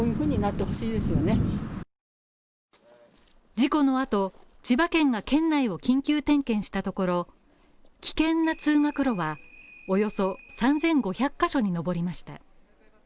事故の後、千葉県が県内を緊急点検したところ、危険な通学路はおよそ３５００ヶ所に上りました。